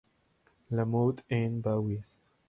La Motte-en-Bauges